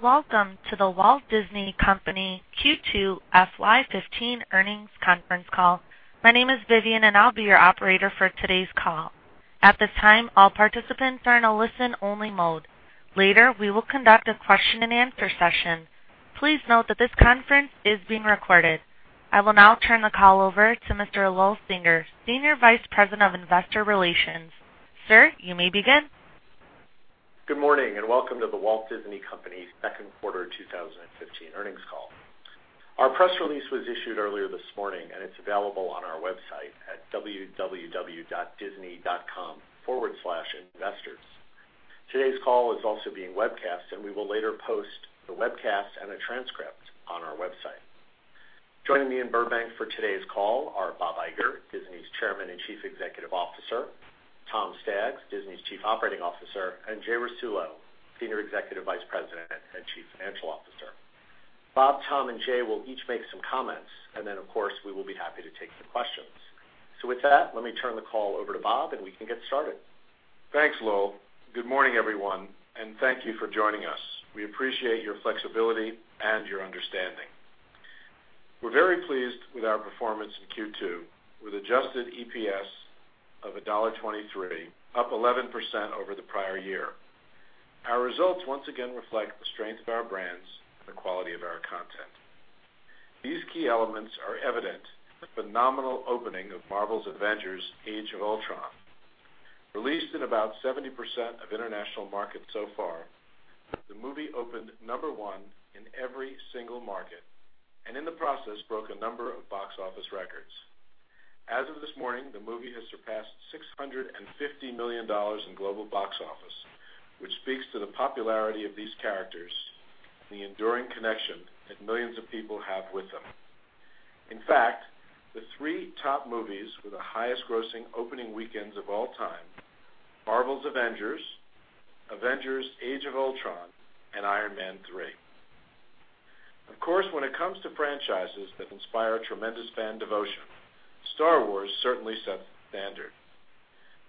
Welcome to The Walt Disney Company Q2 FY 2015 earnings conference call. My name is Vivian, and I'll be your operator for today's call. At this time, all participants are in a listen-only mode. Later, we will conduct a question-and-answer session. Please note that this conference is being recorded. I will now turn the call over to Mr. Lowell Singer, Senior Vice President of Investor Relations. Sir, you may begin. Good morning, welcome to The Walt Disney Company second quarter 2015 earnings call. Our press release was issued earlier this morning, and it's available on our website at www.disney.com/investors. Today's call is also being webcast, and we will later post the webcast and a transcript on our website. Joining me in Burbank for today's call are Bob Iger, Disney's Chairman and Chief Executive Officer, Tom Staggs, Disney's Chief Operating Officer, and Jay Rasulo, Senior Executive Vice President and Chief Financial Officer. Bob, Tom, and Jay will each make some comments, then, of course, we will be happy to take some questions. With that, let me turn the call over to Bob, and we can get started. Thanks, Lowell. Good morning, everyone, thank you for joining us. We appreciate your flexibility and your understanding. We're very pleased with our performance in Q2, with adjusted EPS of $1.23, up 11% over the prior year. Our results once again reflect the strength of our brands and the quality of our content. These key elements are evident in the phenomenal opening of Marvel's "Avengers: Age of Ultron." Released in about 70% of international markets so far, the movie opened number 1 in every single market, in the process, broke a number of box office records. As of this morning, the movie has surpassed $650 million in global box office, which speaks to the popularity of these characters and the enduring connection that millions of people have with them. In fact, the three top movies were the highest-grossing opening weekends of all time, Marvel's "Avengers," "Avengers: Age of Ultron," and "Iron Man 3." Of course, when it comes to franchises that inspire tremendous fan devotion, "Star Wars" certainly sets the standard.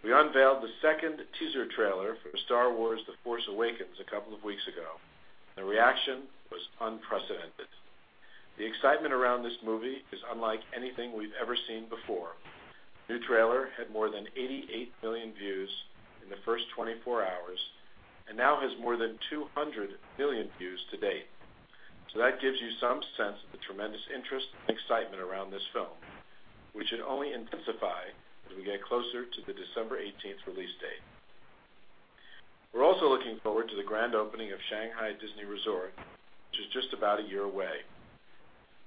We unveiled the second teaser trailer for "Star Wars: The Force Awakens" a couple of weeks ago. The reaction was unprecedented. The excitement around this movie is unlike anything we've ever seen before. The new trailer had more than 88 million views in the first 24 hours and now has more than 200 million views to date. That gives you some sense of the tremendous interest and excitement around this film, which should only intensify as we get closer to the December 18th release date. We're also looking forward to the grand opening of Shanghai Disney Resort, which is just about a year away.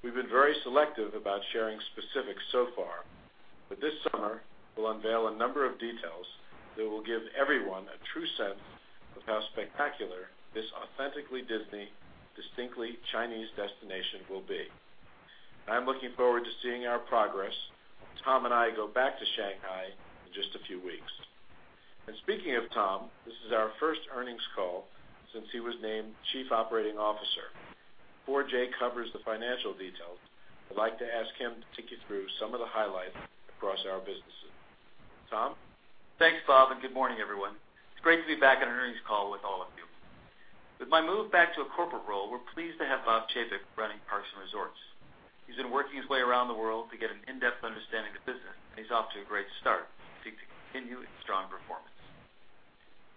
We've been very selective about sharing specifics so far. This summer, we'll unveil a number of details that will give everyone a true sense of how spectacular this authentically Disney, distinctly Chinese destination will be. I'm looking forward to seeing our progress as Tom Staggs and I go back to Shanghai in just a few weeks. Speaking of Tom Staggs, this is our first earnings call since he was named Chief Operating Officer. Before Jay Rasulo covers the financial details, I'd like to ask him to take you through some of the highlights across our businesses. Tom Staggs? Thanks, Bob Iger. Good morning, everyone. It's great to be back on an earnings call with all of you. With my move back to a corporate role, we're pleased to have Bob Chapek running Parks and Resorts. He's been working his way around the world to get an in-depth understanding of the business. He's off to a great start, seeking to continue its strong performance.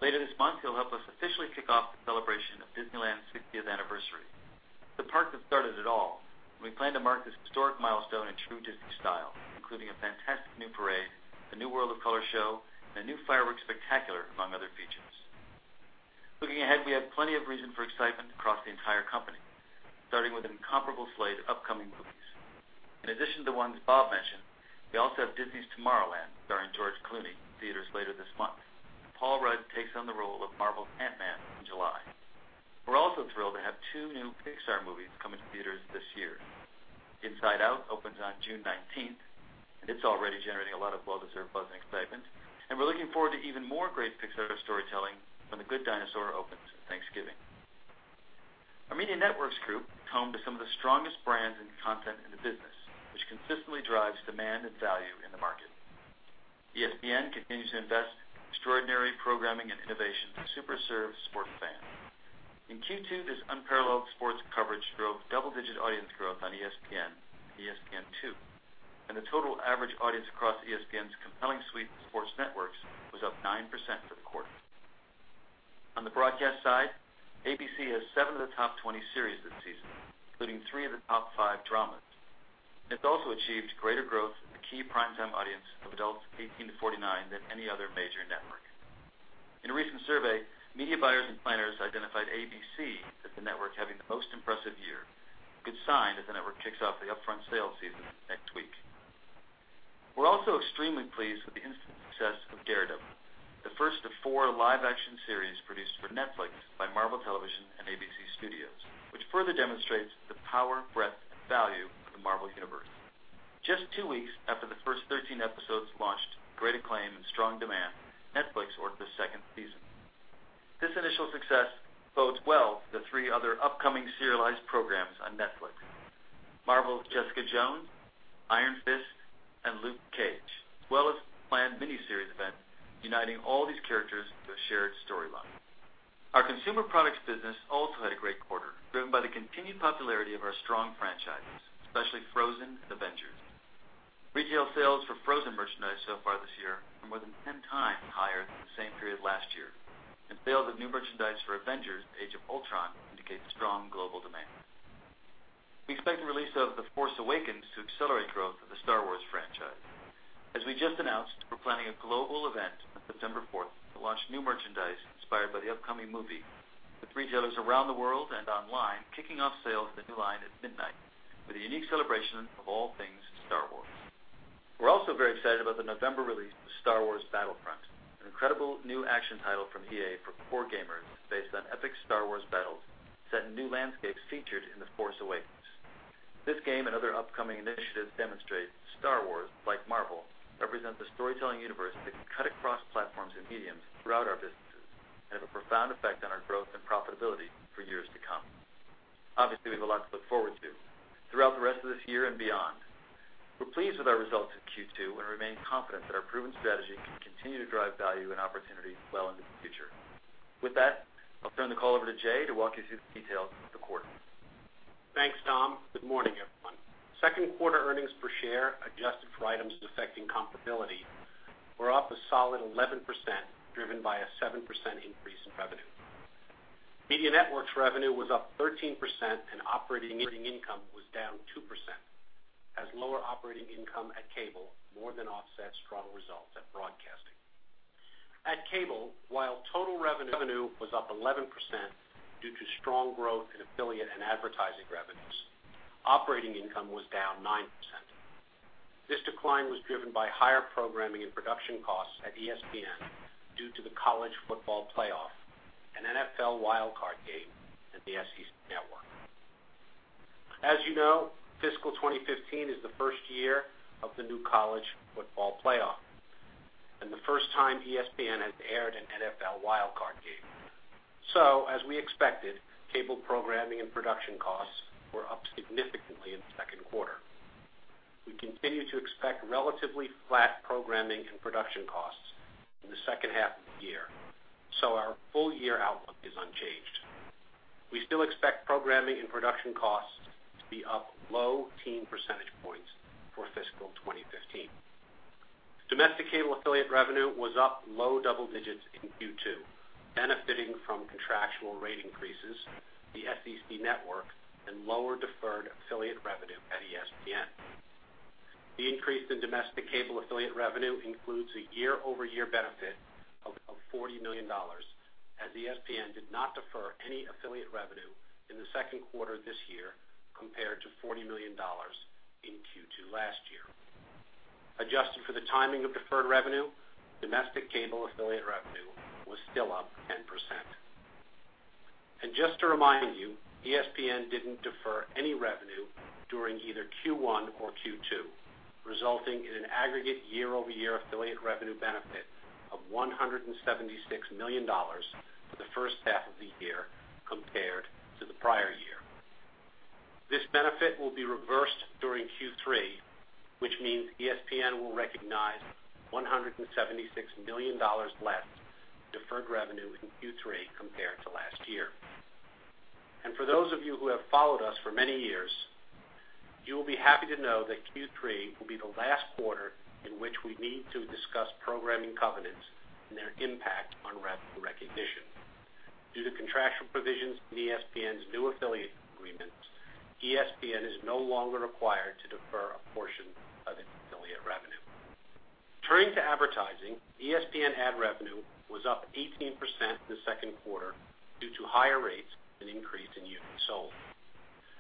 Later this month, he'll help us officially kick off the celebration of Disneyland's 60th anniversary. It's the park that started it all, and we plan to mark this historic milestone in true Disney style, including a fantastic new parade, the new World of Color show, and a new fireworks spectacular, among other features. Looking ahead, we have plenty of reason for excitement across the entire company, starting with an incomparable slate of upcoming movies. In addition to the ones Bob Iger mentioned, we also have Disney's "Tomorrowland" starring George Clooney in theaters later this month. Paul Rudd takes on the role of Marvel's Ant-Man in July. We're also thrilled to have two new Pixar movies coming to theaters this year. "Inside Out" opens on June 19th. It's already generating a lot of well-deserved buzz and excitement. We're looking forward to even more great Pixar storytelling when "The Good Dinosaur" opens at Thanksgiving. Our Media Networks group is home to some of the strongest brands and content in the business, which consistently drives demand and value in the market. ESPN continues to invest in extraordinary programming and innovation to super serve the sports fan. In Q2, this unparalleled sports coverage drove double-digit audience growth on ESPN and ESPN2. The total average audience across ESPN's compelling suite of sports networks was up 9% for the quarter. On the broadcast side, ABC has seven of the top 20 series this season, including three of the top five dramas. It's also achieved greater growth in the key primetime audience of adults 18 to 49 than any other major network. In a recent survey, media buyers and planners identified ABC as the network having the most impressive year, a good sign as the network kicks off the upfront sales season next week. We're also extremely pleased with the instant success of "Daredevil," the first of four live-action series produced for Netflix by Marvel Television and ABC Studios, which further demonstrates the power, breadth, and value of the Marvel universe. Just two weeks after the first 13 episodes launched to great acclaim and strong demand, Netflix ordered a second season. This initial success bodes well for the three other upcoming serialized programs on Netflix, Marvel's Jessica Jones, Iron Fist, and Luke Cage, as well as the planned miniseries event Uniting all these characters with a shared storyline. Our consumer products business also had a great quarter, driven by the continued popularity of our strong franchises, especially Frozen and Avengers. Retail sales for Frozen merchandise so far this year are more than 10 times higher than the same period last year, and sales of new merchandise for Avengers: Age of Ultron indicate strong global demand. We expect the release of The Force Awakens to accelerate growth of the Star Wars franchise. As we just announced, we're planning a global event on September 4th to launch new merchandise inspired by the upcoming movie, with retailers around the world and online kicking off sales of the new line at midnight, with a unique celebration of all things Star Wars. We're also very excited about the November release of Star Wars Battlefront, an incredible new action title from EA for core gamers based on epic Star Wars battles, set in new landscapes featured in The Force Awakens. This game and other upcoming initiatives demonstrate Star Wars, like Marvel, represents a storytelling universe that can cut across platforms and mediums throughout our businesses and have a profound effect on our growth and profitability for years to come. Obviously, we have a lot to look forward to throughout the rest of this year and beyond. We're pleased with our results in Q2 and remain confident that our proven strategy can continue to drive value and opportunity well into the future. With that, I'll turn the call over to Jay to walk you through the details of the quarter. Thanks, Tom. Good morning, everyone. Second quarter earnings per share adjusted for items affecting comparability were up a solid 11%, driven by a 7% increase in revenue. Media Networks revenue was up 13% and operating income was down 2%, as lower operating income at Cable more than offset strong results at Broadcasting. At Cable, while total revenue was up 11% due to strong growth in affiliate and advertising revenues, operating income was down 9%. This decline was driven by higher programming and production costs at ESPN due to the College Football Playoff, an NFL Wild Card game and the SEC Network. As you know, fiscal 2015 is the first year of the new College Football Playoff and the first time ESPN has aired an NFL Wild Card game. As we expected, cable programming and production costs were up significantly in the second quarter. We continue to expect relatively flat programming and production costs in the second half of the year. Our full-year outlook is unchanged. We still expect programming and production costs to be up low teen percentage points for fiscal 2015. Domestic cable affiliate revenue was up low double digits in Q2, benefiting from contractual rate increases, the SEC Network, and lower deferred affiliate revenue at ESPN. The increase in domestic cable affiliate revenue includes a year-over-year benefit of $40 million, as ESPN did not defer any affiliate revenue in the second quarter this year compared to $40 million in Q2 last year. Adjusted for the timing of deferred revenue, domestic cable affiliate revenue was still up 10%. Just to remind you, ESPN didn't defer any revenue during either Q1 or Q2, resulting in an aggregate year-over-year affiliate revenue benefit of $176 million for the first half of the year compared to the prior year. This benefit will be reversed during Q3, which means ESPN will recognize $176 million less deferred revenue in Q3 compared to last year. For those of you who have followed us for many years, you will be happy to know that Q3 will be the last quarter in which we need to discuss programming covenants and their impact on revenue recognition. Due to contractual provisions in ESPN's new affiliate agreements, ESPN is no longer required to defer a portion of its affiliate revenue. Turning to advertising, ESPN ad revenue was up 18% in the second quarter due to higher rates and increase in units sold.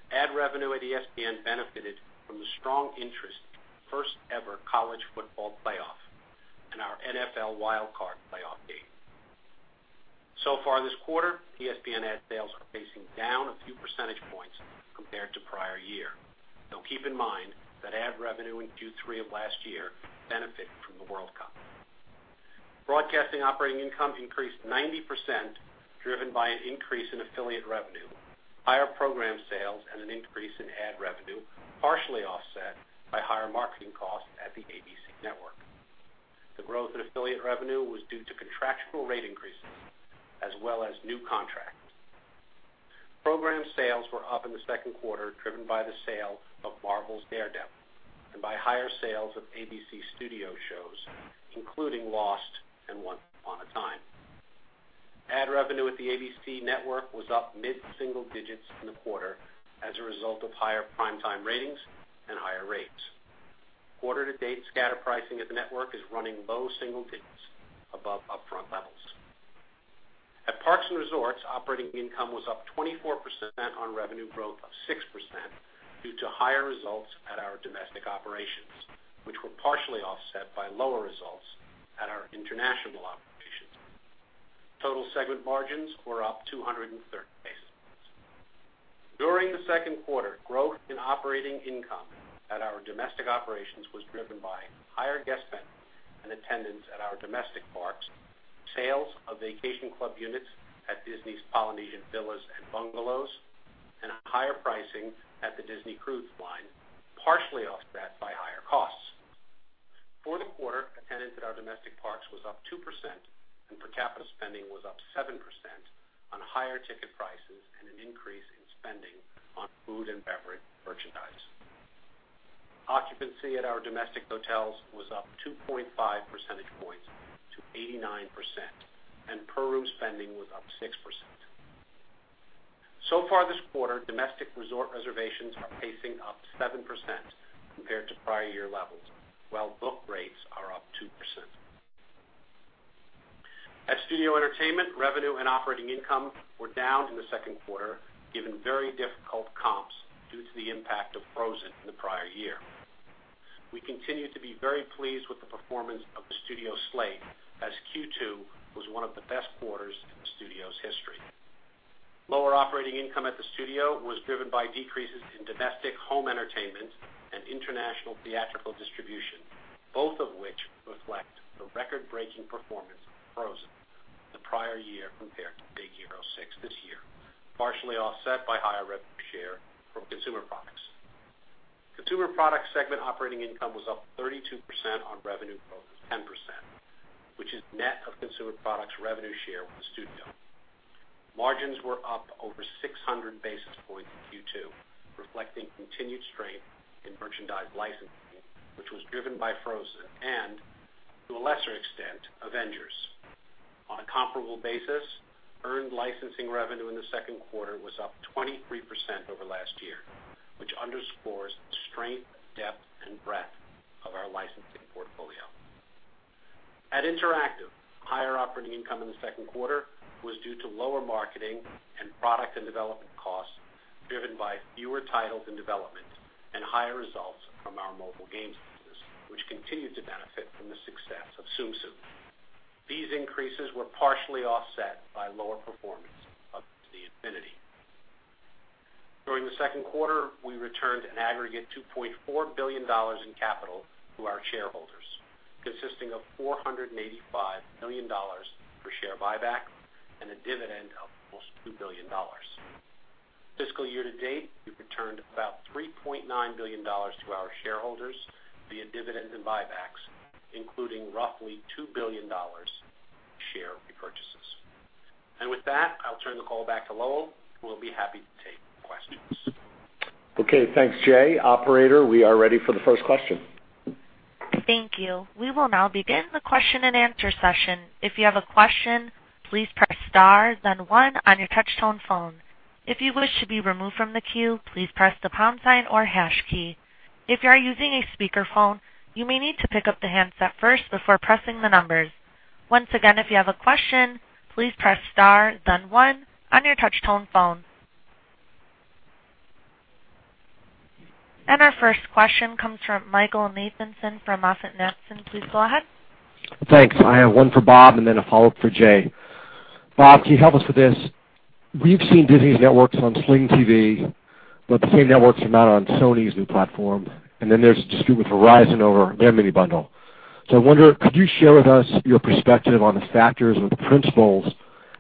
Ad revenue at ESPN benefited from the strong interest in the first-ever College Football Playoff and our NFL Wild Card playoff game. Far this quarter, ESPN ad sales are pacing down a few percentage points compared to prior year, though keep in mind that ad revenue in Q3 of last year benefited from the World Cup. Broadcasting operating income increased 90%, driven by an increase in affiliate revenue, higher program sales, and an increase in ad revenue, partially offset by higher marketing costs at the ABC Network. The growth in affiliate revenue was due to contractual rate increases as well as new contracts. Program sales were up in the second quarter, driven by the sale of Marvel's Daredevil and by higher sales of ABC Studios shows, including Lost and Once Upon a Time. Ad revenue at the ABC Network was up mid-single digits in the quarter as a result of higher prime time ratings and higher rates. Quarter to date scatter pricing at the network is running low single digits above upfront levels. At Parks and Resorts, operating income was up 24% on revenue growth of 6% due to higher results at our domestic operations, which were partially offset by lower results at our international operations. Total segment margins were up 230 basis points. During the second quarter, growth in operating income at our domestic operations was driven by higher guest spending and attendance at our domestic parks Sales of Vacation Club units at Disney's Polynesian Villas & Bungalows, and higher pricing at the Disney Cruise Line, partially offset by higher costs. For the quarter, attendance at our domestic parks was up 2%, and per capita spending was up 7% on higher ticket prices and an increase in spending on food and beverage merchandise. Occupancy at our domestic hotels was up 2.5 percentage points to 89%, and per room spending was up 6%. This quarter, domestic resort reservations are pacing up 7% compared to prior year levels, while book rates are up 2%. At Studio Entertainment, revenue and operating income were down in the second quarter, given very difficult comps due to the impact of Frozen in the prior year. We continue to be very pleased with the performance of the Studio slate, as Q2 was one of the best quarters in the Studio's history. Lower operating income at the Studio was driven by decreases in domestic home entertainment and international theatrical distribution, both of which reflect the record-breaking performance of Frozen the prior year compared to Big Hero 6 this year, partially offset by higher revenue share from Consumer Products. Consumer Products segment operating income was up 32% on revenue growth of 10%, which is net of Consumer Products revenue share with the Studio. Margins were up over 600 basis points in Q2, reflecting continued strength in merchandise licensing, which was driven by Frozen and, to a lesser extent, Avengers. On a comparable basis, earned licensing revenue in the second quarter was up 23% over last year, which underscores the strength, depth, and breadth of our licensing portfolio. At Interactive, higher operating income in the second quarter was due to lower marketing and product and development costs, driven by fewer titles in development and higher results from our mobile games business, which continued to benefit from the success of Tsum Tsum. These increases were partially offset by lower performance of Disney Infinity. During the second quarter, we returned an aggregate $2.4 billion in capital to our shareholders, consisting of $485 million for share buyback and a dividend of almost $2 billion. Fiscal year to date, we've returned about $3.9 billion to our shareholders via dividends and buybacks, including roughly $2 billion in share repurchases. With that, I'll turn the call back to Lowell, who will be happy to take questions. Okay. Thanks, Jay. Operator, we are ready for the first question. Thank you. We will now begin the question-and-answer session. If you have a question, please press star then one on your touch-tone phone. If you wish to be removed from the queue, please press the pound sign or hash key. If you are using a speakerphone, you may need to pick up the handset first before pressing the numbers. Once again, if you have a question, please press star then one on your touch-tone phone. Our first question comes from Michael Nathanson from MoffettNathanson. Please go ahead. Thanks. I have one for Bob and then a follow-up for Jay. Bob, can you help us with this? We've seen Disney's networks on Sling TV, but the same networks are not on Sony's new platform. There's a dispute with Verizon over their mini bundle. I wonder, could you share with us your perspective on the factors or the principles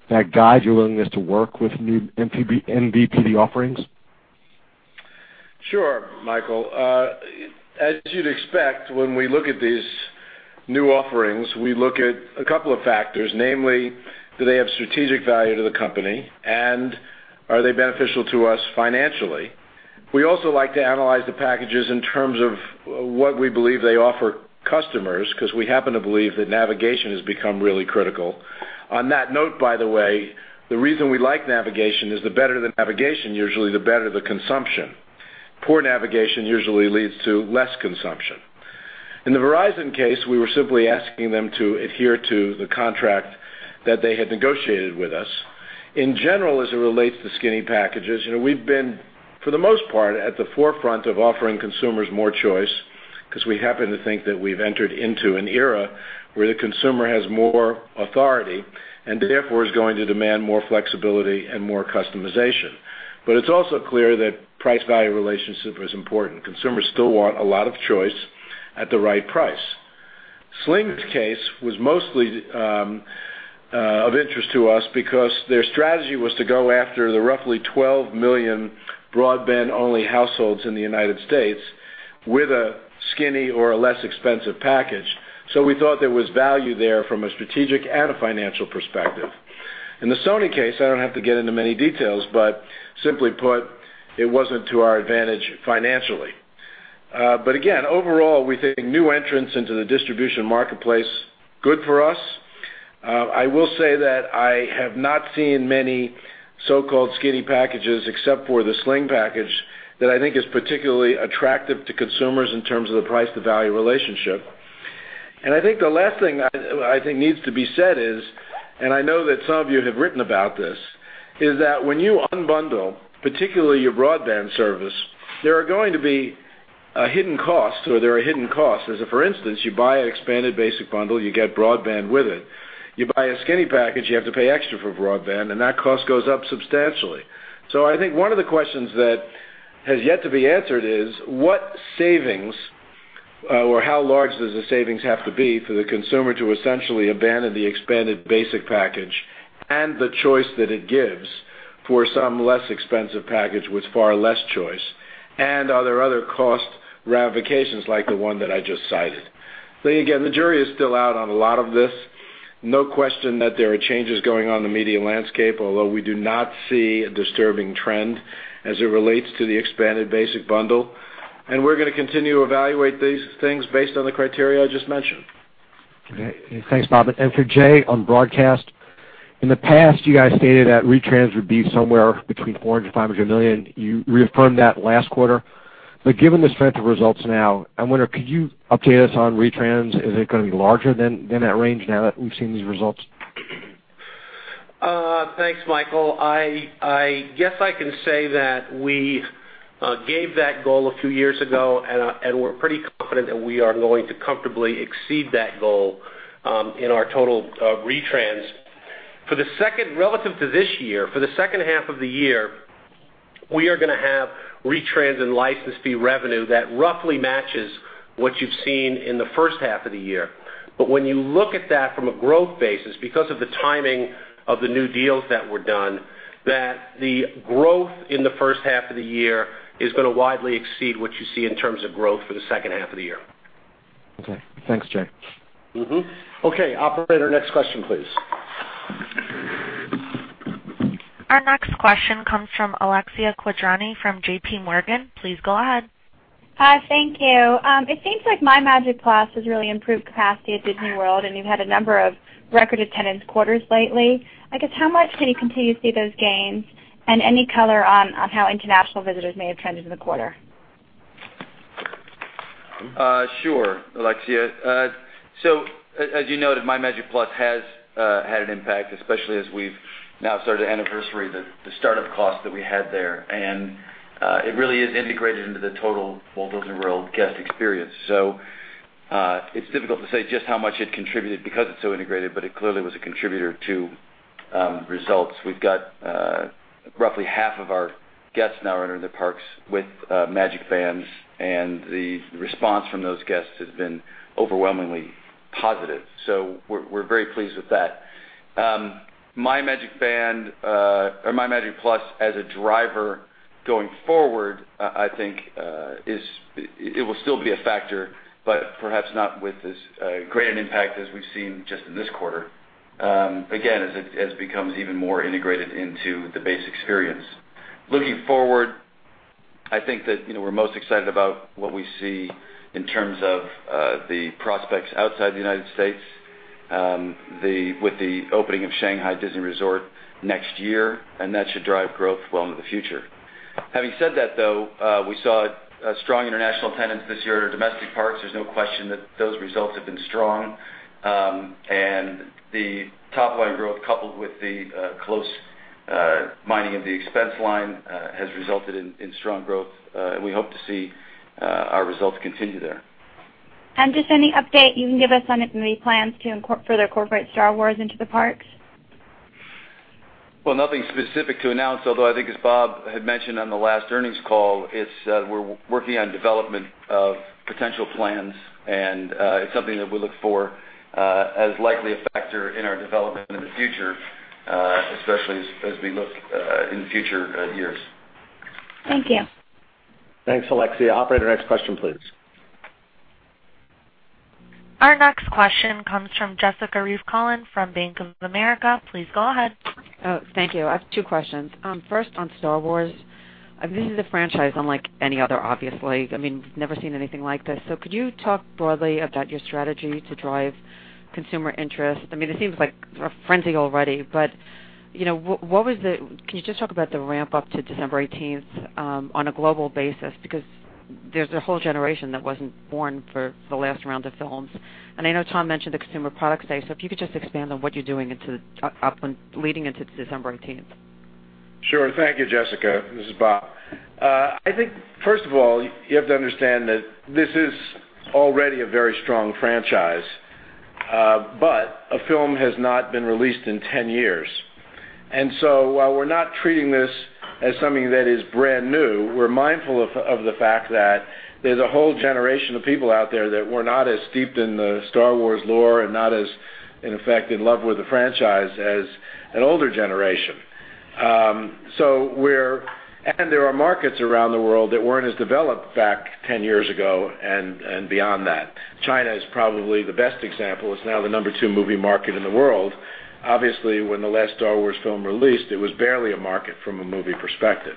that guide your willingness to work with new MVPD offerings? Sure, Michael. As you'd expect, when we look at these new offerings, we look at a couple of factors, namely, do they have strategic value to the company, and are they beneficial to us financially? We also like to analyze the packages in terms of what we believe they offer customers, because we happen to believe that navigation has become really critical. On that note, by the way, the reason we like navigation is the better the navigation, usually the better the consumption. Poor navigation usually leads to less consumption. In the Verizon case, we were simply asking them to adhere to the contract that they had negotiated with us. In general, as it relates to skinny packages, we've been, for the most part, at the forefront of offering consumers more choice because we happen to think that we've entered into an era where the consumer has more authority and therefore is going to demand more flexibility and more customization. It's also clear that price-value relationship is important. Consumers still want a lot of choice at the right price. Sling's case was mostly of interest to us because their strategy was to go after the roughly 12 million broadband-only households in the U.S. with a skinny or a less expensive package. We thought there was value there from a strategic and a financial perspective. In the Sony case, I don't have to get into many details, but simply put, it wasn't to our advantage financially. Again, overall, we think new entrants into the distribution marketplace, good for us. I will say that I have not seen many so-called skinny packages, except for the Sling package, that I think is particularly attractive to consumers in terms of the price-to-value relationship. I think the last thing that I think needs to be said is, and I know that some of you have written about this, is that when you unbundle, particularly your broadband service, there are going to be a hidden cost or there are hidden costs. As for instance, you buy an expanded basic bundle, you get broadband with it. You buy a skinny package, you have to pay extra for broadband, and that cost goes up substantially. I think one of the questions that has yet to be answered is, what savings Or how large does the savings have to be for the consumer to essentially abandon the expanded basic package and the choice that it gives for some less expensive package with far less choice? Are there other cost ramifications like the one that I just cited? Again, the jury is still out on a lot of this. No question that there are changes going on in the media landscape, although we do not see a disturbing trend as it relates to the expanded basic bundle. We're going to continue to evaluate these things based on the criteria I just mentioned. Okay. Thanks, Bob. For Jay on broadcast, in the past, you guys stated that retrans would be somewhere between $400 million-$500 million. You reaffirmed that last quarter. Given the strength of results now, I wonder, could you update us on retrans? Is it going to be larger than that range now that we've seen these results? Thanks, Michael. I guess I can say that we gave that goal a few years ago, we're pretty confident that we are going to comfortably exceed that goal in our total retrans. Relative to this year, for the second half of the year, we are going to have retrans and license fee revenue that roughly matches what you've seen in the first half of the year. When you look at that from a growth basis, because of the timing of the new deals that were done, that the growth in the first half of the year is going to widely exceed what you see in terms of growth for the second half of the year. Okay. Thanks, Jay. Okay, operator, next question, please. Our next question comes from Alexia Quadrani from JP Morgan. Please go ahead. Hi, thank you. It seems like MyMagic+ has really improved capacity at Disney World, and you've had a number of record attendance quarters lately. I guess how much can you continue to see those gains, and any color on how international visitors may have trended in the quarter? Sure, Alexia. As you noted, MyMagic+ has had an impact, especially as we've now started to anniversary the startup cost that we had there. It really is integrated into the total Walt Disney World guest experience. It's difficult to say just how much it contributed because it's so integrated, but it clearly was a contributor to results. We've got roughly half of our guests now entering the parks with MagicBands, and the response from those guests has been overwhelmingly positive. We're very pleased with that. MyMagic+ as a driver going forward, I think it will still be a factor, but perhaps not with as great an impact as we've seen just in this quarter. Again, as it becomes even more integrated into the base experience. Looking forward, I think that we're most excited about what we see in terms of the prospects outside the U.S. with the opening of Shanghai Disney Resort next year, that should drive growth well into the future. Having said that, though, we saw a strong international attendance this year at our domestic parks. There's no question that those results have been strong. The top-line growth, coupled with the close mining of the expense line, has resulted in strong growth. We hope to see our results continue there. Just any update you can give us on any plans to further incorporate Star Wars into the parks? Well, nothing specific to announce, although I think as Bob had mentioned on the last earnings call, we're working on development of potential plans, it's something that we look for as likely a factor in our development in the future, especially as we look in future years. Thank you. Thanks, Alexia. Operator, next question, please. Our next question comes from Jessica Reif Cohen from Bank of America. Please go ahead. Thank you. I have two questions. First, on Star Wars, this is a franchise unlike any other, obviously. Never seen anything like this. Could you talk broadly about your strategy to drive consumer interest? It seems like a frenzy already, but can you just talk about the ramp-up to December 18th on a global basis? There's a whole generation that wasn't born for the last round of films. I know Tom mentioned the consumer products today, so if you could just expand on what you're doing leading into December 18th. Sure. Thank you, Jessica. This is Bob. I think, first of all, you have to understand that this is already a very strong franchise. A film has not been released in 10 years. While we're not treating this as something that is brand new, we're mindful of the fact that there's a whole generation of people out there that were not as steeped in the Star Wars lore and not as, in effect, in love with the franchise as an older generation. There are markets around the world that weren't as developed back 10 years ago and beyond that. China is probably the best example. It's now the number 2 movie market in the world. Obviously, when the last Star Wars film released, it was barely a market from a movie perspective.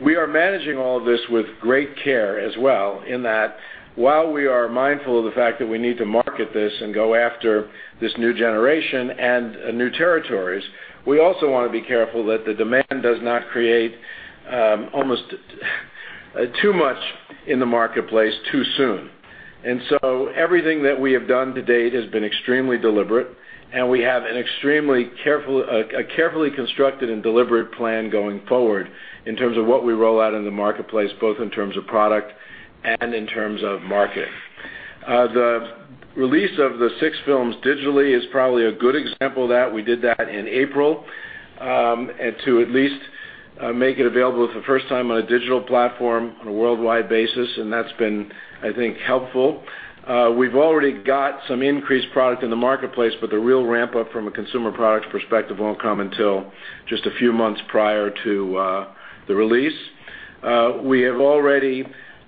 We are managing all of this with great care as well, in that while we are mindful of the fact that we need to market this and go after this new generation and new territories, we also want to be careful that the demand does not create almost too much in the marketplace too soon. Everything that we have done to date has been extremely deliberate, and we have an extremely carefully constructed and deliberate plan going forward in terms of what we roll out in the marketplace, both in terms of product and in terms of marketing. The release of the six films digitally is probably a good example of that. We did that in April to at least make it available for the first time on a digital platform on a worldwide basis, and that's been, I think, helpful. We've already got some increased product in the marketplace, but the real ramp-up from a consumer products perspective won't come until just a few months prior to the release. We have already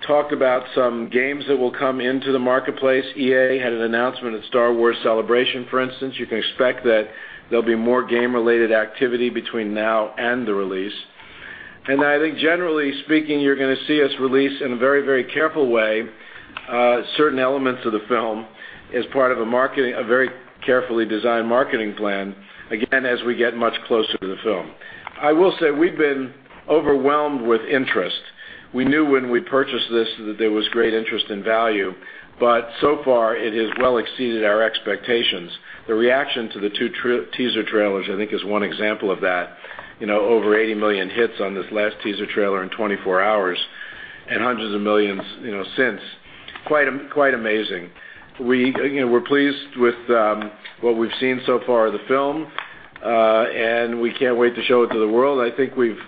talked about some games that will come into the marketplace. EA had an announcement at Star Wars Celebration, for instance. You can expect that there'll be more game-related activity between now and the release. I think generally speaking, you're going to see us release in a very careful way certain elements of the film as part of a very carefully designed marketing plan, again, as we get much closer to the film. I will say we've been overwhelmed with interest. We knew when we purchased this that there was great interest in value, but so far it has well exceeded our expectations. The reaction to the two teaser trailers, I think, is one example of that. Over 80 million hits on this last teaser trailer in 24 hours and hundreds of millions since. Quite amazing. We're pleased with what we've seen so far of the film. We can't wait to show it to the world. I think we've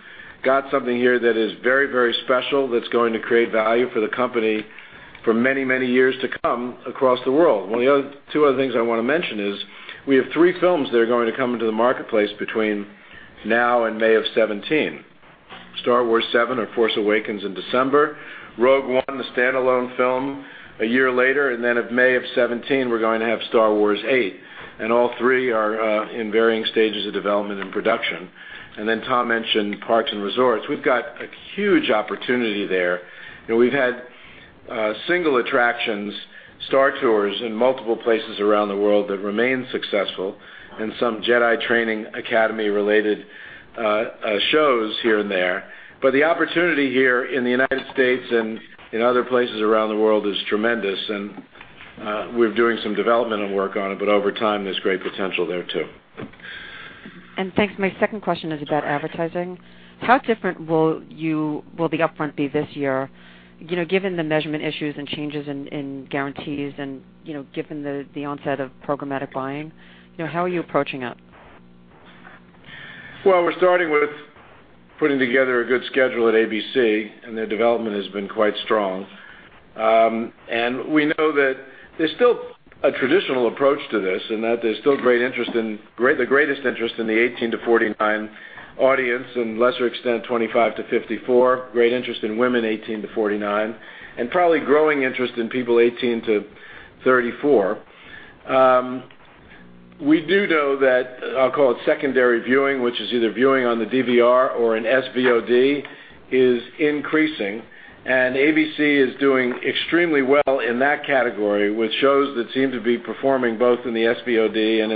got something here that is very special that's going to create value for the company for many years to come across the world. One of the two other things I want to mention is we have three films that are going to come into the marketplace between now and May of 2017. "Star Wars 7: The Force Awakens" in December, "Rogue One," the standalone film a year later, and then in May of 2017, we're going to have "Star Wars 8," and all three are in varying stages of development and production. Tom mentioned parks and resorts. We've got a huge opportunity there. We've had single attractions, Star Tours in multiple places around the world that remain successful and some Jedi Training Academy related shows here and there. The opportunity here in the U.S. and in other places around the world is tremendous, and we're doing some development and work on it, but over time, there's great potential there too. Thanks. My second question is about advertising. How different will the upfront be this year, given the measurement issues and changes in guarantees and given the onset of programmatic buying? How are you approaching that? Well, we're starting with putting together a good schedule at ABC, their development has been quite strong. We know that there's still a traditional approach to this and that there's still the greatest interest in the 18-49 audience and lesser extent, 25-54, great interest in women 18-49, and probably growing interest in people 18-34. We do know that I'll call it secondary viewing, which is either viewing on the DVR or an SVOD, is increasing, and ABC is doing extremely well in that category with shows that seem to be performing both in the SVOD and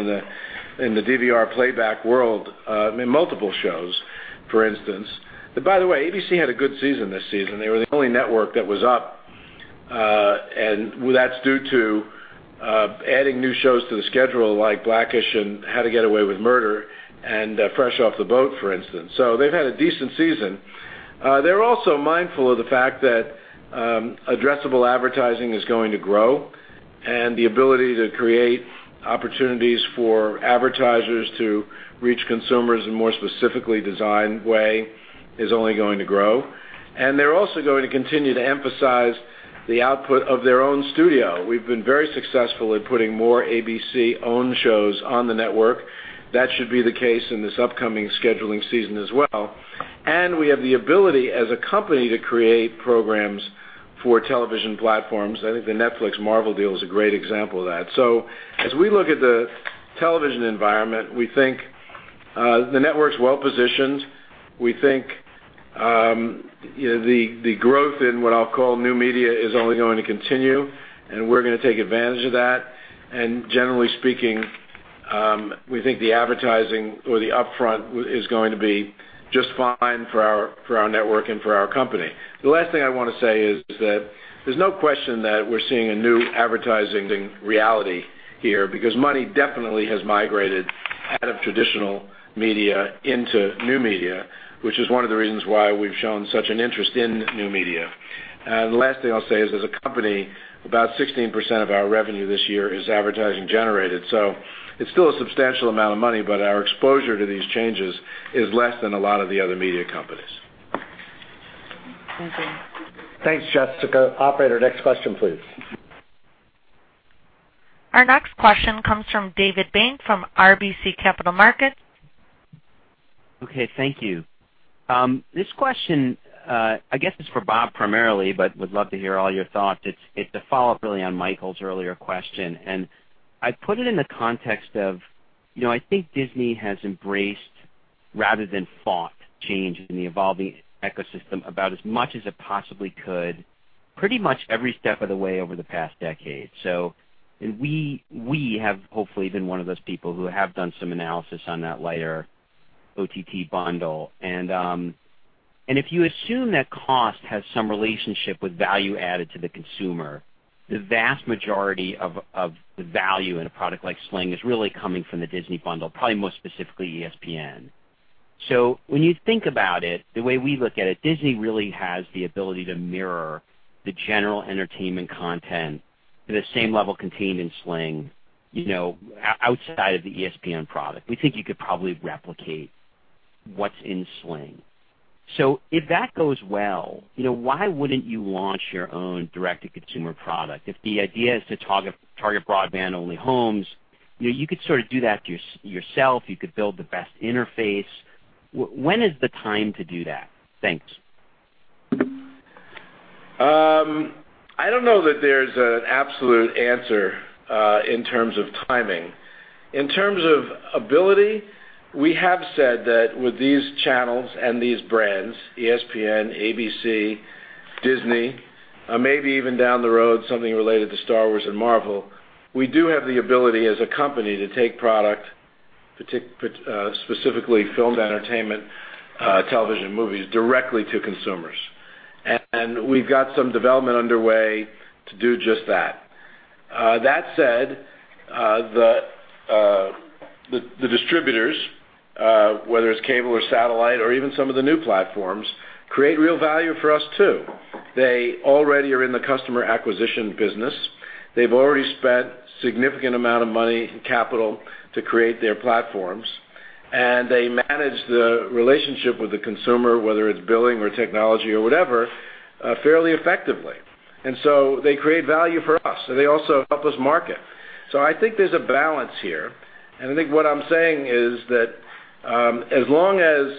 in the DVR playback world, I mean, multiple shows, for instance. By the way, ABC had a good season this season. They were the only network that was up. That's due to adding new shows to the schedule like "black-ish" and "How to Get Away with Murder" and "Fresh Off the Boat," for instance. They've had a decent season. They're also mindful of the fact that addressable advertising is going to grow and the ability to create opportunities for advertisers to reach consumers in a more specifically designed way is only going to grow. They're also going to continue to emphasize the output of their own studio. We've been very successful at putting more ABC-owned shows on the network. That should be the case in this upcoming scheduling season as well. We have the ability as a company to create programs for television platforms. I think the Netflix Marvel deal is a great example of that. As we look at the television environment, we think the network's well-positioned. We think the growth in what I'll call new media is only going to continue, and we're going to take advantage of that. Generally speaking, we think the advertising or the upfront is going to be just fine for our network and for our company. The last thing I want to say is that there's no question that we're seeing a new advertising reality here because money definitely has migrated out of traditional media into new media, which is one of the reasons why we've shown such an interest in new media. The last thing I'll say is, as a company, about 16% of our revenue this year is advertising generated. It's still a substantial amount of money, but our exposure to these changes is less than a lot of the other media companies. Thank you. Thanks, Jessica. Operator, next question, please. Our next question comes from David Bank from RBC Capital Markets. Okay. Thank you. This question, I guess it's for Bob primarily, but would love to hear all your thoughts. It's a follow-up really on Michael's earlier question, and I put it in the context of I think Disney has embraced rather than fought change in the evolving ecosystem about as much as it possibly could pretty much every step of the way over the past decade. We have hopefully been one of those people who have done some analysis on that lighter OTT bundle. If you assume that cost has some relationship with value added to the consumer, the vast majority of the value in a product like Sling is really coming from the Disney bundle, probably more specifically ESPN. When you think about it, the way we look at it, Disney really has the ability to mirror the general entertainment content The same level contained in Sling outside of the ESPN product, we think you could probably replicate what's in Sling. If that goes well, why wouldn't you launch your own direct-to-consumer product? If the idea is to target broadband-only homes, you could do that to yourself. You could build the best interface. When is the time to do that? Thanks. I don't know that there's an absolute answer in terms of timing. In terms of ability, we have said that with these channels and these brands, ESPN, ABC, Disney, maybe even down the road, something related to Star Wars and Marvel. We do have the ability as a company to take product, specifically filmed entertainment, television, movies, directly to consumers. We've got some development underway to do just that. That said, the distributors, whether it's cable or satellite, or even some of the new platforms, create real value for us, too. They already are in the customer acquisition business. They've already spent significant amount of money and capital to create their platforms, and they manage the relationship with the consumer, whether it's billing or technology or whatever, fairly effectively. They create value for us, and they also help us market. I think there's a balance here. I think what I'm saying is that as long as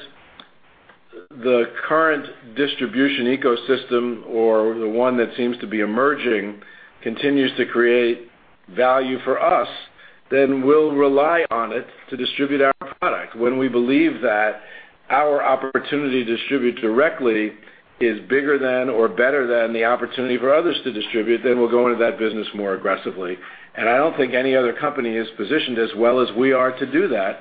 the current distribution ecosystem or the one that seems to be emerging continues to create value for us, then we'll rely on it to distribute our product. When we believe that our opportunity to distribute directly is bigger than or better than the opportunity for others to distribute, then we'll go into that business more aggressively. I don't think any other company is positioned as well as we are to do that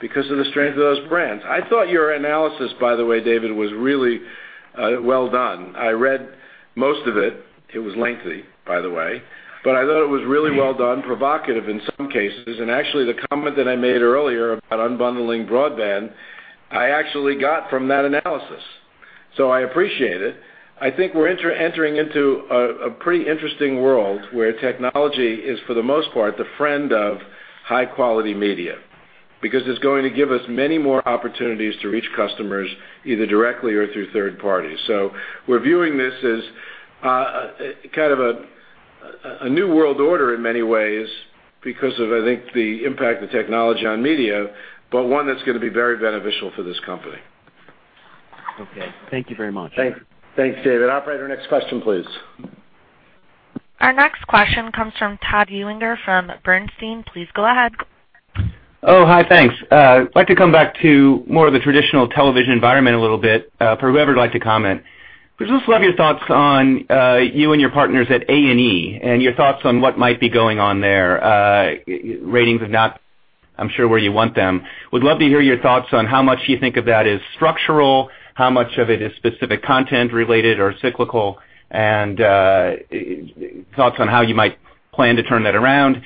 because of the strength of those brands. I thought your analysis, by the way, David, was really well done. I read most of it. It was lengthy, by the way, but I thought it was really well done, provocative in some cases. Actually, the comment that I made earlier about unbundling broadband, I actually got from that analysis. I appreciate it. I think we're entering into a pretty interesting world where technology is, for the most part, the friend of high-quality media because it's going to give us many more opportunities to reach customers, either directly or through third parties. We're viewing this as kind of a new world order in many ways because of, I think the impact of technology on media, but one that's going to be very beneficial for this company. Okay. Thank you very much. Thanks, David. Operator, next question, please. Our next question comes from Todd Juenger from Bernstein. Please go ahead. Oh, hi. Thanks. I'd like to come back to more of the traditional television environment a little bit, for whoever'd like to comment. Would just love your thoughts on you and your partners at A&E and your thoughts on what might be going on there. Ratings are not, I'm sure, where you want them. Would love to hear your thoughts on how much you think of that as structural, how much of it is specific content related or cyclical, and thoughts on how you might plan to turn that around.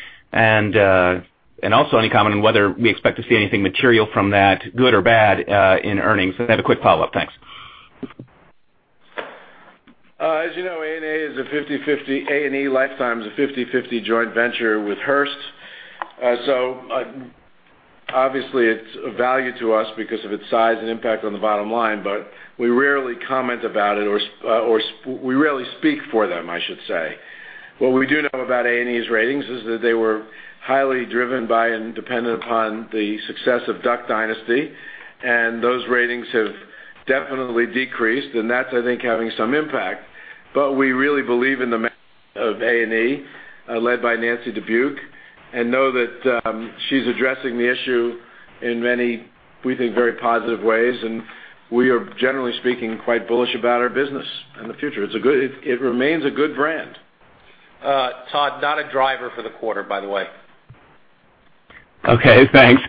Also any comment on whether we expect to see anything material from that, good or bad, in earnings. I have a quick follow-up. Thanks. As you know, A&E Lifetime is a 50/50 joint venture with Hearst. Obviously it's of value to us because of its size and impact on the bottom line, but we rarely comment about it or we rarely speak for them, I should say. What we do know about A&E's ratings is that they were highly driven by and dependent upon the success of "Duck Dynasty," and those ratings have definitely decreased, and that's, I think, having some impact. We really believe in the management of A&E, led by Nancy Dubuc, and know that she's addressing the issue in many, we think, very positive ways, and we are, generally speaking, quite bullish about our business in the future. It remains a good brand. Todd, not a driver for the quarter, by the way. Okay, thanks.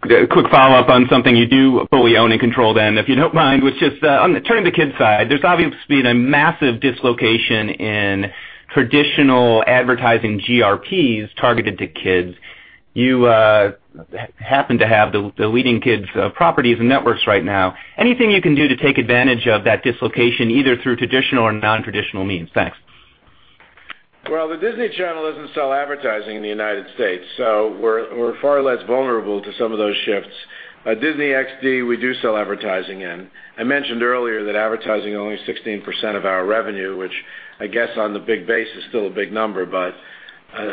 Quick follow-up on something you do fully own and control then, if you don't mind, which is on the turning to kids side. There's obviously been a massive dislocation in traditional advertising GRPs targeted to kids. You happen to have the leading kids properties and networks right now. Anything you can do to take advantage of that dislocation, either through traditional or non-traditional means? Thanks. The Disney Channel doesn't sell advertising in the U.S., so we're far less vulnerable to some of those shifts. Disney XD, we do sell advertising in. I mentioned earlier that advertising is only 16% of our revenue, which I guess on the big base is still a big number, but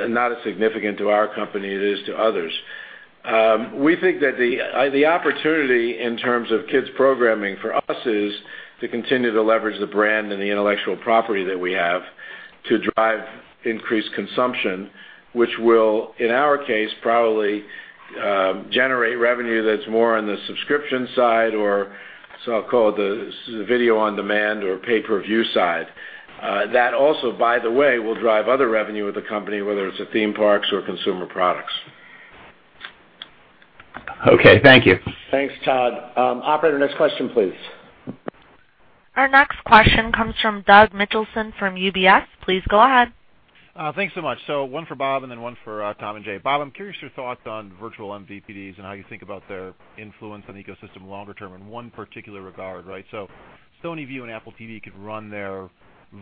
not as significant to our company as it is to others. We think that the opportunity in terms of kids programming for us is to continue to leverage the brand and the intellectual property that we have to drive increased consumption, which will, in our case, probably generate revenue that's more on the subscription side or so-called the video on demand or pay-per-view side. That also, by the way, will drive other revenue of the company, whether it's the theme parks or consumer products. Thank you. Thanks, Todd. Operator, next question, please. Our next question comes from Doug Mitchelson from UBS. Please go ahead. Thanks so much. One for Bob and then one for Tom and Jay. Bob, I'm curious your thoughts on virtual MVPDs and how you think about their influence on ecosystem longer term in one particular regard, right? PlayStation Vue and Apple TV could run their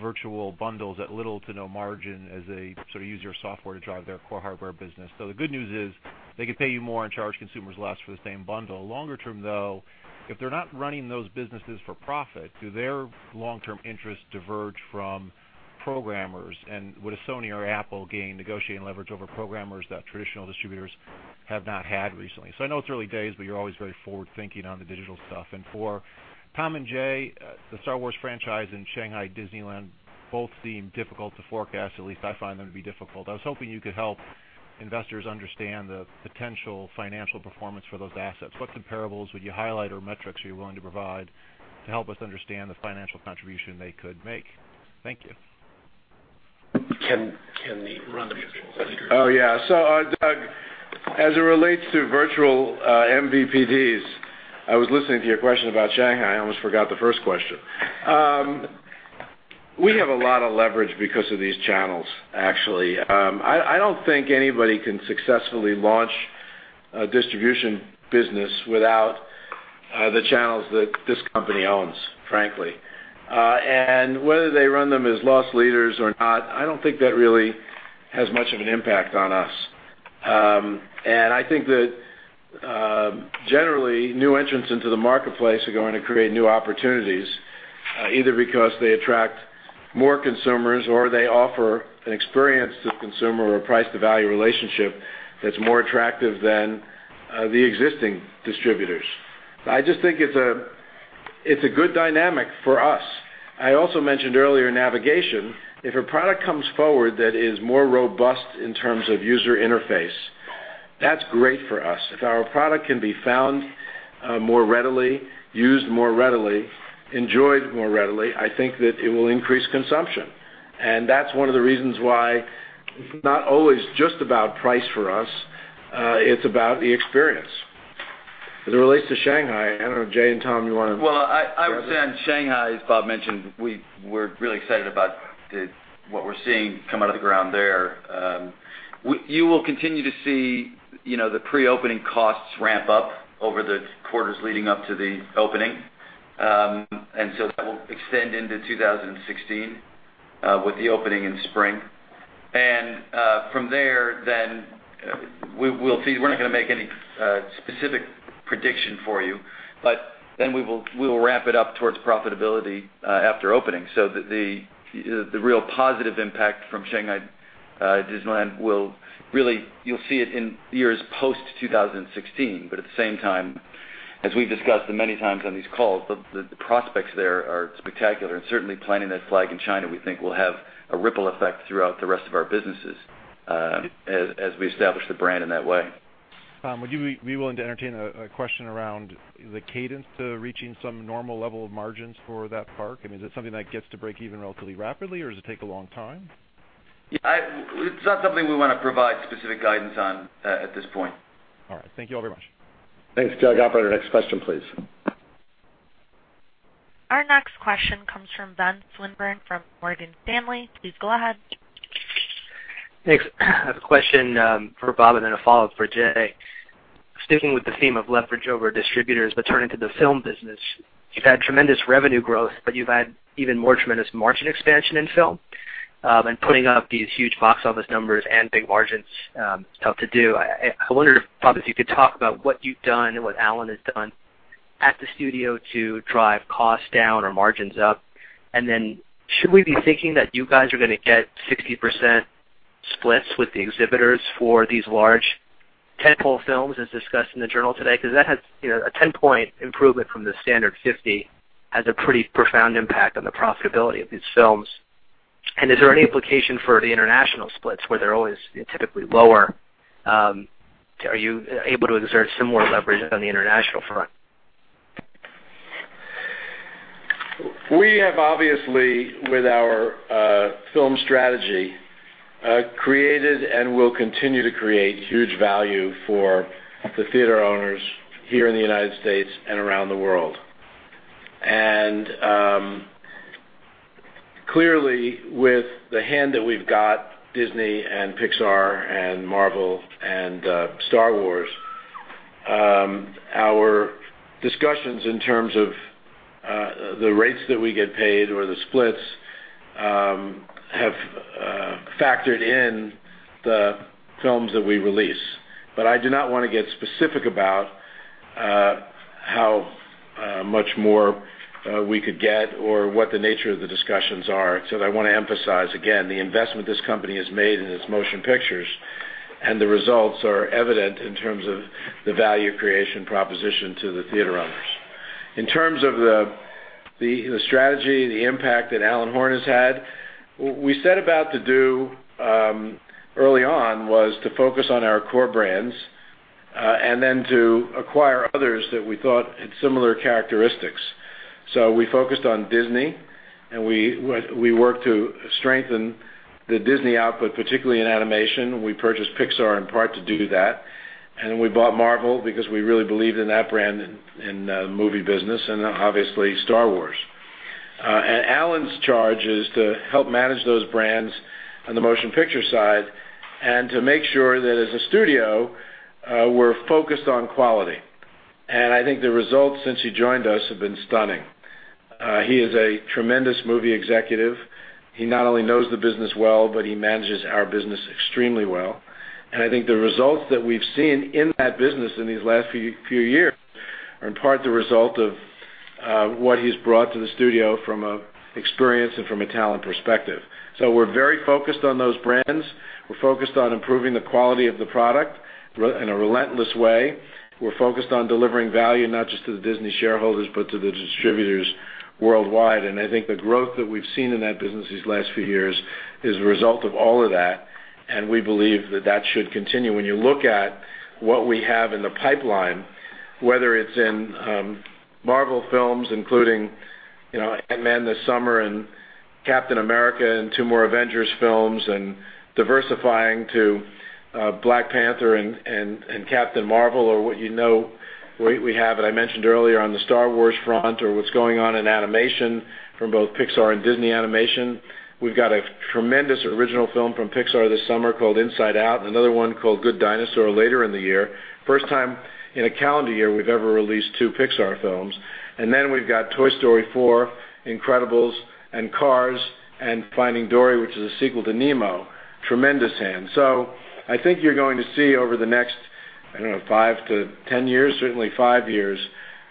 virtual bundles at little to no margin as they sort of use your software to drive their core hardware business. The good news is they could pay you more and charge consumers less for the same bundle. Longer term, though, if they're not running those businesses for profit, do their long-term interests diverge from programmers? Would a Sony or Apple gain negotiating leverage over programmers that traditional distributors have not had recently? I know it's early days, but you're always very forward-thinking on the digital stuff. For Tom and Jay, the Star Wars franchise and Shanghai Disneyland both seem difficult to forecast. At least I find them to be difficult. I was hoping you could help investors understand the potential financial performance for those assets. What comparables would you highlight or metrics are you willing to provide to help us understand the financial contribution they could make? Thank you. Can they run the virtual bundles? Oh, yeah. Doug, as it relates to virtual MVPDs, I was listening to your question about Shanghai. I almost forgot the first question. We have a lot of leverage because of these channels, actually. I don't think anybody can successfully launch a distribution business without the channels that this company owns, frankly. Whether they run them as loss leaders or not, I don't think that really has much of an impact on us. I think that generally, new entrants into the marketplace are going to create new opportunities, either because they attract more consumers or they offer an experience to the consumer or a price to value relationship that's more attractive than the existing distributors. I just think it's a good dynamic for us. I also mentioned earlier navigation. If a product comes forward that is more robust in terms of user interface, that's great for us. If our product can be found more readily, used more readily, enjoyed more readily, I think that it will increase consumption. That's one of the reasons why it's not always just about price for us. It's about the experience. As it relates to Shanghai, I don't know, Jay and Tom, you want to- Well, I would say on Shanghai, as Bob mentioned, we're really excited about what we're seeing come out of the ground there. You will continue to see the pre-opening costs ramp up over the quarters leading up to the opening. That will extend into 2016 with the opening in spring. From there then we'll see. We're not going to make any specific prediction for you. We will ramp it up towards profitability after opening. The real positive impact from Shanghai Disneyland will really, you'll see it in years post 2016. At the same time, as we've discussed many times on these calls, the prospects there are spectacular and certainly planting that flag in China, we think will have a ripple effect throughout the rest of our businesses as we establish the brand in that way. Tom, would you be willing to entertain a question around the cadence to reaching some normal level of margins for that park? I mean, is it something that gets to break even relatively rapidly or does it take a long time? Yeah. It's not something we want to provide specific guidance on at this point. All right. Thank you all very much. Thanks, Doug. Operator, next question, please. Our next question comes from Ben Swinburne from Morgan Stanley. Please go ahead. Thanks. I have a question for Bob and then a follow-up for Jay. Sticking with the theme of leverage over distributors, turning to the film business, you've had tremendous revenue growth, but you've had even more tremendous margin expansion in film, and putting up these huge box office numbers and big margins is tough to do. I wonder if, Bob, if you could talk about what you've done and what Alan has done at the studio to drive costs down or margins up. Then should we be thinking that you guys are going to get 60% splits with the exhibitors for these large tentpole films, as discussed in the journal today? Because a 10-point improvement from the standard 50 has a pretty profound impact on the profitability of these films. Is there any implication for the international splits where they're always typically lower? Are you able to exert similar leverage on the international front? We have obviously, with our film strategy, created and will continue to create huge value for the theater owners here in the United States and around the world. Clearly with the hand that we've got, Disney and Pixar and Marvel and Star Wars our discussions in terms of the rates that we get paid or the splits have factored in the films that we release. I do not want to get specific about how much more we could get or what the nature of the discussions are. I want to emphasize again, the investment this company has made in its motion pictures and the results are evident in terms of the value creation proposition to the theater owners. In terms of the strategy, the impact that Alan Horn has had, what we set about to do early on was to focus on our core brands, then to acquire others that we thought had similar characteristics. We focused on Disney, we worked to strengthen the Disney output, particularly in animation. We purchased Pixar in part to do that. We bought Marvel because we really believed in that brand in the movie business and obviously Star Wars. Alan's charge is to help manage those brands on the motion picture side and to make sure that as a studio, we're focused on quality. I think the results since he joined us have been stunning. He is a tremendous movie executive. He not only knows the business well, but he manages our business extremely well. I think the results that we've seen in that business in these last few years are in part the result of what he's brought to the studio from experience and from a talent perspective. We're very focused on those brands. We're focused on improving the quality of the product in a relentless way. We're focused on delivering value not just to the Disney shareholders, but to the distributors worldwide. I think the growth that we've seen in that business these last few years is a result of all of that, and we believe that that should continue. When you look at what we have in the pipeline, whether it's in Marvel films, including Ant-Man this summer and Captain America and two more Avengers films and diversifying to Black Panther and Captain Marvel or what you know we have, and I mentioned earlier on the Star Wars front or what's going on in animation from both Pixar and Disney Animation. We've got a tremendous original film from Pixar this summer called Inside Out and another one called The Good Dinosaur later in the year. First time in a calendar year we've ever released two Pixar films. Then we've got Toy Story 4, The Incredibles, and Cars, and Finding Dory, which is a sequel to Nemo. Tremendous hand. I think you're going to see over the next, I don't know, five to 10 years, certainly five years,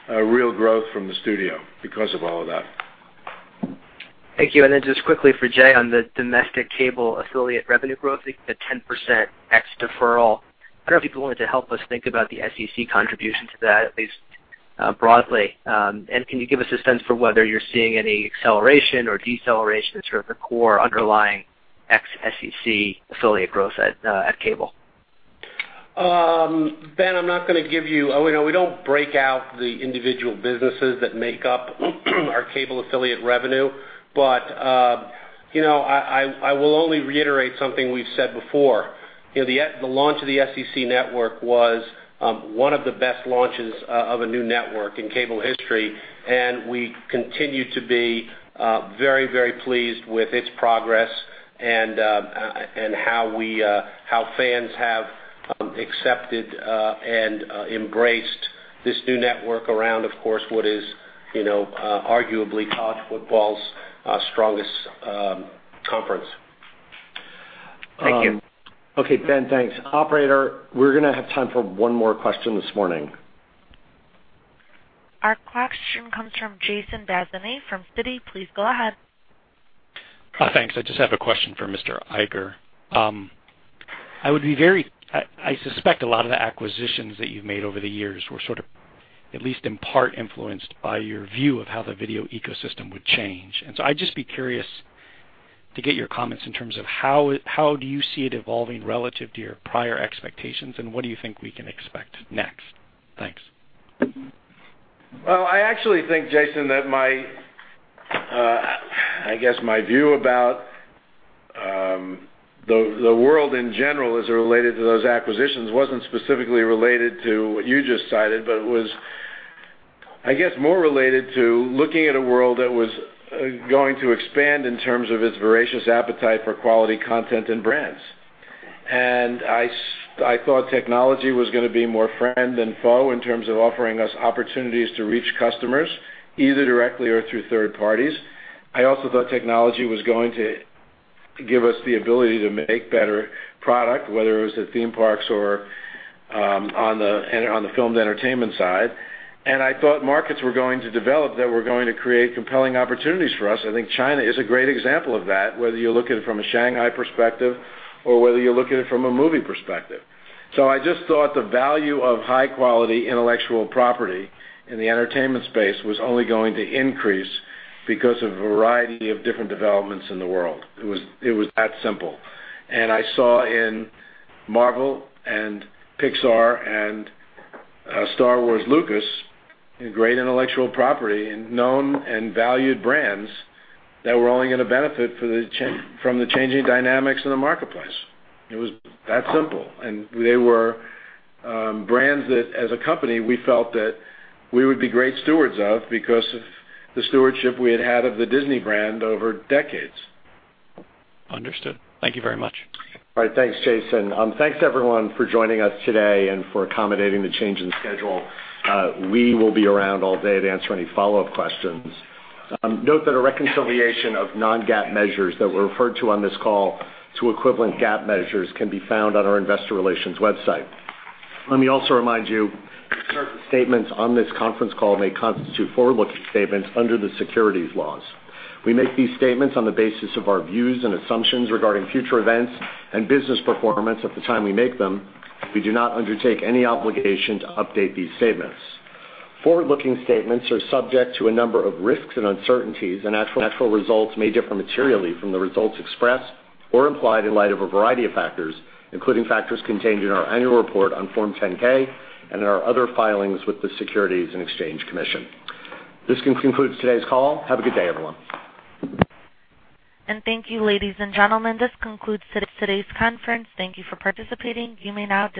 a real growth from the studio because of all of that. Thank you. Then just quickly for Jay, on the domestic cable affiliate revenue growth, I think the 10% ex deferral. I don't know if you could help us think about the SEC contribution to that, at least broadly. Can you give us a sense for whether you're seeing any acceleration or deceleration in sort of the core underlying ex SEC affiliate growth at cable? Ben, we don't break out the individual businesses that make up our cable affiliate revenue. I will only reiterate something we've said before. The launch of the SEC Network was one of the best launches of a new network in cable history, and we continue to be very, very pleased with its progress and how fans have accepted and embraced this new network around, of course, what is arguably college football's strongest conference. Thank you. Okay, Ben. Thanks. Operator, we're going to have time for one more question this morning. Our question comes from Jason Bazinet from Citi. Please go ahead. Thanks. I just have a question for Mr. Iger. I suspect a lot of the acquisitions that you've made over the years were sort of at least in part influenced by your view of how the video ecosystem would change. I'd just be curious to get your comments in terms of how do you see it evolving relative to your prior expectations, and what do you think we can expect next? Thanks. Well, I actually think, Jason, that I guess my view about the world in general as it related to those acquisitions wasn't specifically related to what you just cited, but was, I guess, more related to looking at a world that was going to expand in terms of its voracious appetite for quality content and brands. I thought technology was going to be more friend than foe in terms of offering us opportunities to reach customers, either directly or through third parties. I also thought technology was going to give us the ability to make better product, whether it was at theme parks or on the filmed entertainment side. I thought markets were going to develop that were going to create compelling opportunities for us. I think China is a great example of that, whether you look at it from a Shanghai perspective or whether you look at it from a movie perspective. I just thought the value of high-quality intellectual property in the entertainment space was only going to increase because of a variety of different developments in the world. It was that simple. I saw in Marvel and Pixar and Star Wars, Lucasfilm a great intellectual property and known and valued brands that were only going to benefit from the changing dynamics in the marketplace. It was that simple. They were brands that as a company, we felt that we would be great stewards of because of the stewardship we had had of the Disney brand over decades. Understood. Thank you very much. All right. Thanks, Jason. Thanks everyone for joining us today and for accommodating the change in schedule. We will be around all day to answer any follow-up questions. Note that a reconciliation of non-GAAP measures that were referred to on this call to equivalent GAAP measures can be found on our investor relations website. Let me also remind you that certain statements on this conference call may constitute forward-looking statements under the securities laws. We make these statements on the basis of our views and assumptions regarding future events and business performance at the time we make them. We do not undertake any obligation to update these statements. Forward-looking statements are subject to a number of risks and uncertainties, actual results may differ materially from the results expressed or implied in light of a variety of factors, including factors contained in our annual report on Form 10-K and in our other filings with the Securities and Exchange Commission. This concludes today's call. Have a good day, everyone. Thank you, ladies and gentlemen. This concludes today's conference. Thank you for participating. You may now disconnect.